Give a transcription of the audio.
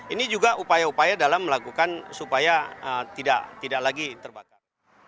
ini juga upaya upaya dalam melakukan supaya tidak lagi terbakar